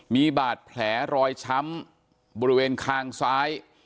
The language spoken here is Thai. มีบาดแผลรอยช้ำบริเวณคางซ้าย